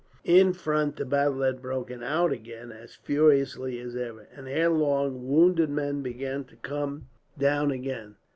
In front the battle had broken out again, as furiously as ever; and ere long wounded men began to come down again.